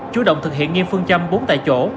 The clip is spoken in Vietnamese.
chủ động thực hiện nghiêm phương châm bốn tại chỗ